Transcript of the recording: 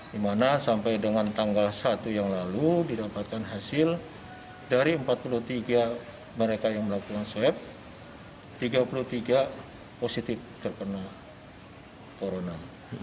di mana sampai dengan tanggal satu yang lalu didapatkan hasil dari empat puluh tiga mereka yang melakukan swab tiga puluh tiga positif terkena corona